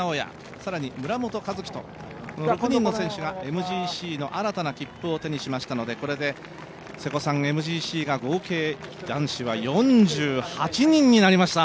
更に村本一樹と６人の選手がＭＧＣの新たな切符を手にしましたので、ＭＧＣが合計男子が４８人になりました